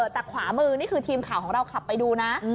แต่ขวามือนี่คือทีมข่าวของเราขับไปดูนะ